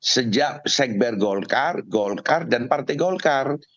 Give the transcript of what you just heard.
sejak sekber golkar golkar dan partai golkar